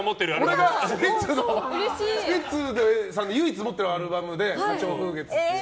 俺がスピッツさんで唯一持ってるアルバムで「花鳥風月」っていう。